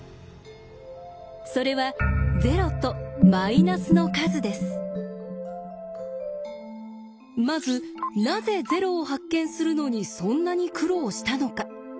それはまずなぜ０を発見するのにそんなに苦労したのか。